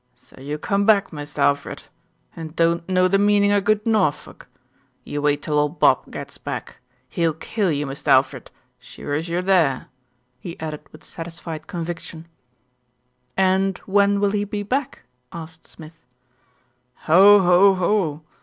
So you come back, Mist' Alfred, and don't know the meanin' o' good Norfolk. You wait till old Bob gets back. He'll kill you, Mist' Alfred, sure as you're there," he added with satisfied conviction. "And when will he be back?" asked Smith. "Ho I ho ! ho